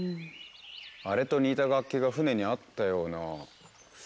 あれと似た楽器が船にあったような。